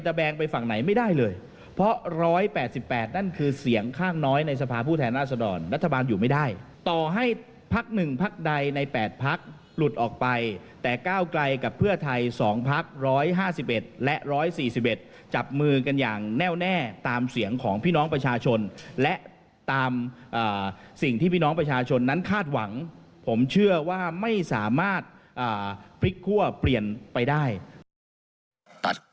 แต่เพื่อไทยก้าวไกรก็ยังจับมือกันแน่นครับลองฟังเสียงดูฮะ